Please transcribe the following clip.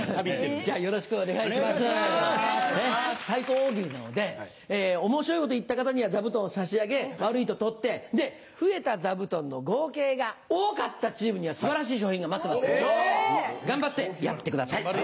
「対抗大喜利」なので面白いこと言った方には座布団を差し上げ悪いと取って増えた座布団の合計が多かったチームには素晴らしい賞品が待ってますから頑張ってやってください。